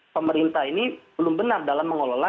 pemerintah ini belum benar dalam mengelola